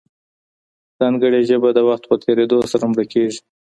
ځانګړې ژبه د وخت په تېرېدو سره مړه کېږي.